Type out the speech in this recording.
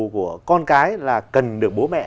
của con cái là cần được bố mẹ